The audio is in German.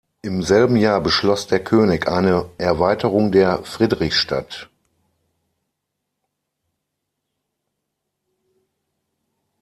Im selben Jahr beschloss der König eine Erweiterung der Friedrichstadt.